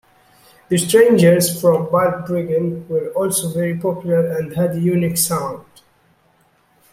The Strangers from Balbriggan were also very popular and had a unique sound.